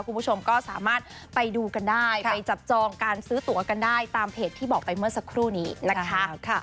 คุณผู้ชมก็สามารถไปดูกันได้ไปจับจองการซื้อตัวกันได้ตามเพจที่บอกไปเมื่อสักครู่นี้นะคะ